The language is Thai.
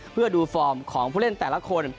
เพื่อดูฟอร์มของผู้เล่นแต่ละคน